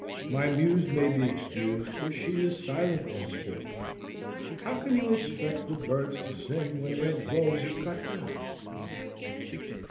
My Muse may be excused if she is silent henceforth. How can you expect the birds to sing when their groves are cut down?